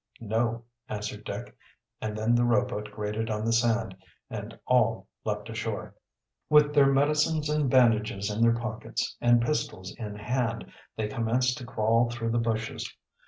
"No," answered Dick, and then the rowboat grated on the sand, and all leaped ashore. With their medicines and bandages in their pockets, and pistols in hand, they commenced to crawl through the bushes.